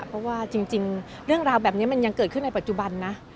เพราะว่าจริงเรื่องราวแบบนี้มันยังเกิดขึ้นในปัจจุบันนะ